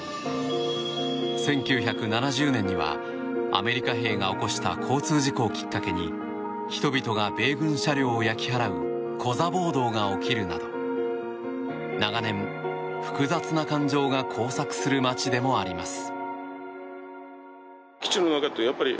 １９７０年にはアメリカ兵が起こした交通事故をきっかけに人々が米軍車両を焼き払うコザ暴動が起きるなど長年、複雑な感情が交錯する街でもあります。